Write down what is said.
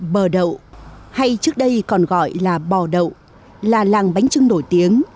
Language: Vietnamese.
bờ đậu hay trước đây còn gọi là bò đậu là làng bánh trưng nổi tiếng